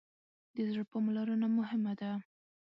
د زړه پاملرنه مهمه ده.